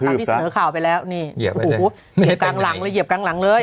ตามที่เสนอข่าวไปแล้วนี่เหยียบกลางหลังเลย